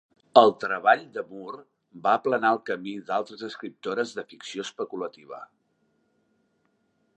El treball de Moore va aplanar el camí d'altres escriptores de ficció especulativa.